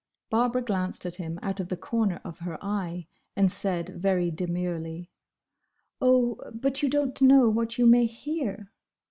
Barbara glanced at him out of the corner of her eye, and said very demurely, "Oh, but you don't know what you may hear."